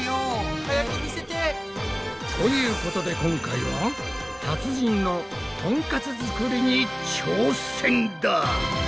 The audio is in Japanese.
早く見せて！ということで今回は達人のトンカツ作りに挑戦だ！